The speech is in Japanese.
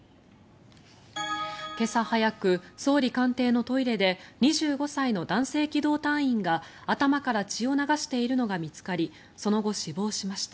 今朝早く、総理官邸のトイレで２５歳の男性機動隊員が頭から血を流しているのが見つかりその後、死亡しました。